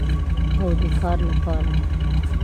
هو، د کار لپاره